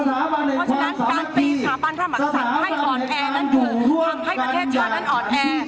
เพราะฉะนั้นการตีสถาบันพระมศัตริย์ให้อ่อนแอนั้นอยู่ทำให้ประเทศชาตินั้นอ่อนแอ